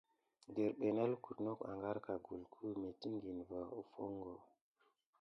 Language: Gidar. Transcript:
Dirɓe nā lukute not ágarka gulku metikine va hofungo.